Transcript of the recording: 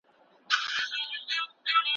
استثناوي سته او زموږ ټولو غیر پښتنو دغه چلند نه